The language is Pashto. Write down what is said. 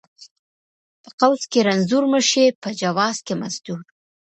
ـ په قوس کې رنځور مشې، په جواز کې مزدور.